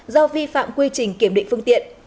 do vi phạm quy trình kiểm định phương tiện